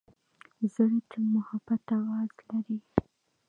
زړه د محبت آواز لري.